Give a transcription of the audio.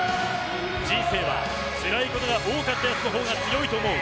人生はつらいことが多かったやつのほうが強いと思う。